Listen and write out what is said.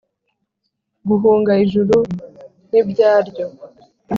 guhunga ijuru n’ibyaryo